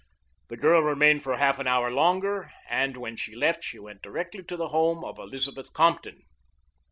The girl remained for half an hour longer, and when she left she went directly to the home of Elizabeth Compton.